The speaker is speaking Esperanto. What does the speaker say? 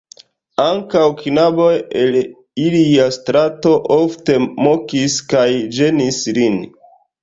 Ankaŭ knaboj el ilia strato ofte mokis kaj ĝenis lin.